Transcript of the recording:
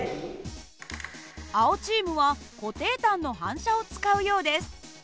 青チームは固定端の反射を使うようです。